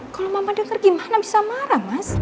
kalau mama dengar gimana bisa marah mas